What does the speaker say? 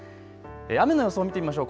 雨の予想を見てみましょう。